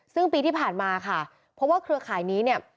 ซึ่งปีที่ผ่านมาค่ะเพราะว่าเครือข่ายนี้เนี่ย